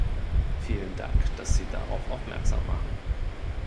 Vielen Dank, dass Sie darauf aufmerksam machen.